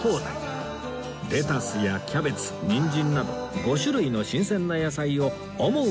レタスやキャベツにんじんなど５種類の新鮮な野菜を思う